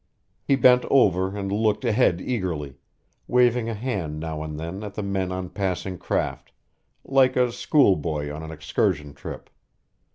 He bent over and looked ahead eagerly, waving a hand now and then at the men on passing craft, like a schoolboy on an excursion trip.